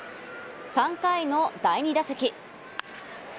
３回の第２打席。